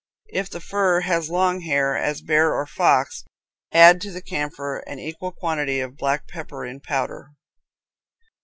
If the fur has long hair, as bear or fox, add to the camphor an equal quantity of black pepper in powder.